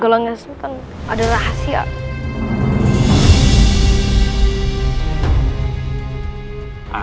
golongan sultan ada rahasia